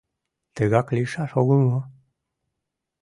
— Тыгак лийшаш огыл мо?